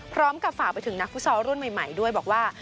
พร้อมกับฝ่าไปถึงนักฟุ้ซอร์ร่วมใหม่ด้วยบอกว่า